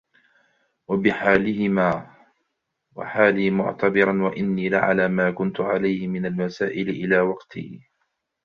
وَبِحَالِهِمَا وَحَالِي مُعْتَبِرًا وَإِنِّي لَعَلَى مَا كُنْت عَلَيْهِ مِنْ الْمَسَائِلِ إلَى وَقْتِي